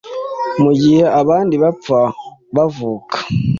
mugihe abandi bapfa bavuka